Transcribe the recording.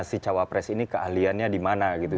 si cawapres ini keahliannya di mana gitu